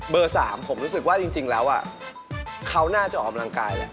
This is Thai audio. เบอร์สามผมรู้สึกว่าจริงแล้วอ่ะเขาน่าจะออกกำลังกายเลย